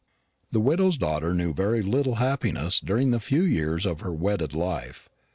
The widow's daughter knew very little happiness during the few years of her wedded life.